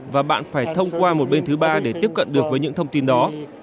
và bạn phải thông qua một bên thứ ba để tiếp cận được với những thông tin đó